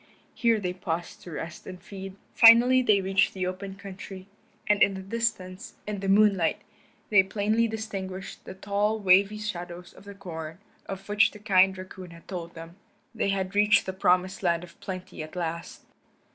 Here they paused to rest and feed. Finally they reached the open country, and in the distance, in the moonlight, they plainly distinguished the tall wavy shadows of the corn of which the kind raccoon had told them. They had reached the promised land of plenty at last.